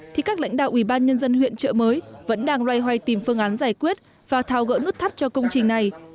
thì các lãnh đạo ủy ban nhân dân huyện trợ mới vẫn đang loay hoay tìm phương án giải quyết và thao gỡ nút thắt cho công trình này